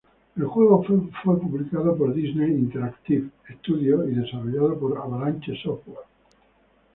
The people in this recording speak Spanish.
El juego fue publicado por Disney Interactive Studios y desarrollado por Avalanche Software.